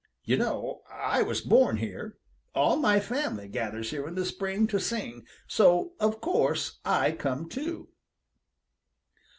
You know I was born here. All my family gathers here in the spring to sing, so of course I come too."